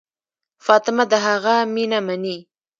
فاطمه د هغه مینه مني.